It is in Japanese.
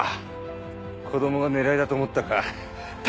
子供が狙いだと思ったか？